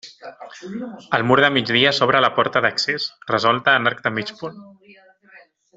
Al mur de migdia s'obre la porta d'accés, resolta en arc de mig punt.